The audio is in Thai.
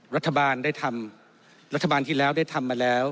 รัฐบาลได้ทำรัฐบาลที่แล้วได้ทำมาแล้ว